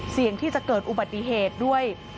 เสี่ยงที่จะเกิดอุบัติเหตุด้วย